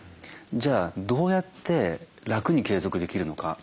じゃあどうやって楽に継続できるのか？